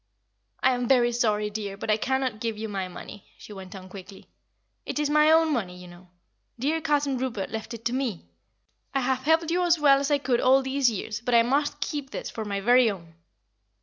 "I am very sorry, dear, but I cannot give you my money," she went on quickly. "It is my own money, you know. Dear Cousin Rupert left it to me. I have helped you as well as I could all these years, but I must keep this for my very own."